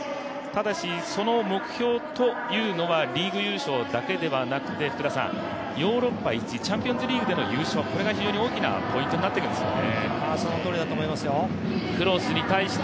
ただし、その目標というのはリーグ優勝だけではなくてヨーロッパ一，チャンピオンズリーグでの優勝、これが非常に大きなポイントになってるんですよね。